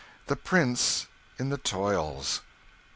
The Prince in the toils.